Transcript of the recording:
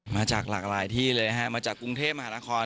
มาจากหลากหลายที่เลยฮะมาจากกรุงเทพมหานคร